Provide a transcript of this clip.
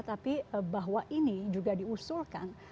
tapi bahwa ini juga diusulkan